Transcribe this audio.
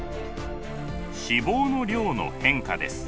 脂肪の量の変化です。